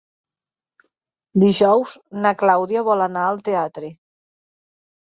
Dijous na Clàudia vol anar al teatre.